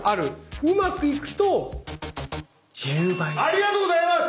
ありがとうございます！